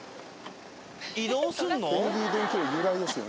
移動すんの？